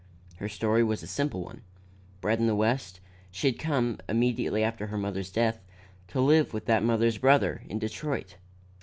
Her story was a simple one. Bred in the West, she had come, immediately after her mother's death, to live with that mother's brother in Detroit.